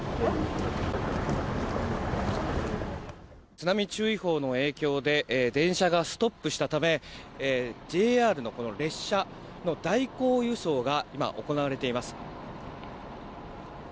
津波注意報の影響で電車がストップしたためＪＲの列車の代行輸送が今行われています。